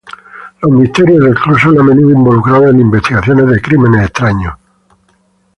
Los misterios del club son a menudo involucrados en investigaciones de crímenes extraños.